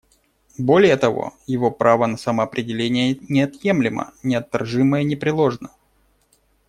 Более того, его право на самоопределение неотъемлемо, неотторжимо и непреложно.